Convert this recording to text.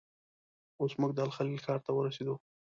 اوس موږ د الخلیل ښار ته ورسېدو.